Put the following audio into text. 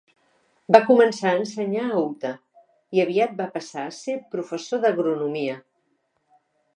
Va començar a ensenyar a Utah, i aviat va passar a ser professor d'agronomia.